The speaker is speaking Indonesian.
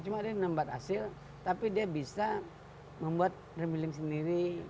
cuma dia nambat hasil tapi dia bisa membuat remiling sendiri